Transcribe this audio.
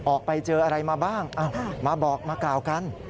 ออกไปเจออะไรมาบ้างมาบอกมากล่าวกัน